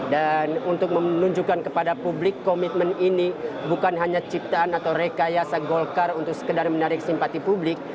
dan untuk menunjukkan kepada publik komitmen ini bukan hanya ciptaan atau rekayasa golkar untuk sekedar menarik simpati publik